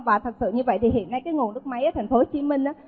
và thật sự như vậy thì hiện nay cái nguồn nước máy ở tp hcm á